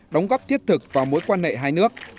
đóng góp thiết thực vào mối quan hệ hai nước